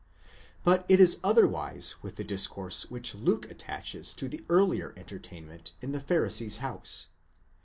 But it is other wise with the discourse which Luke attaches to the earlier entertainment in the Pharisee's house.